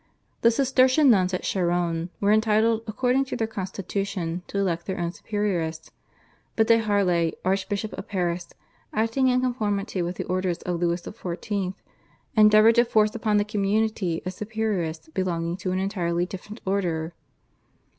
The Cistercian nuns at Charonne were entitled according to their constitution to elect their own superioress, but de Harlay, Archbishop of Paris, acting in conformity with the orders of Louis XIV. endeavoured to force upon the community a superioress belonging to an entirely different order.